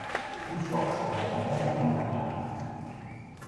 Fu socio dell'Accademia Pontaniana.